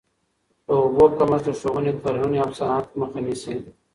د اوبو کمښت د ښووني، کرهڼې او صنعت مخه نیسي.